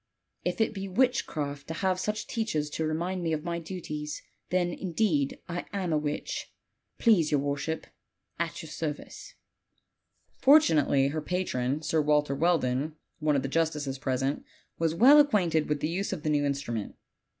If it be witchcraft to have such teachers to remind me of my duties, then, indeed, am I a witch, please your worship at your service." Fortunately her patron, Sir Walter Welldon, one of the justices present, was well acquainted with the use of the new instrument.